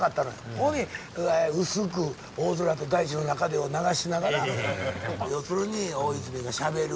そこに薄く「大空と大地の中で」を流しながら要するに大泉がしゃべる。